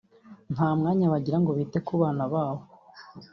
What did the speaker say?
nta mwanya bagira ngo bite ku bana babo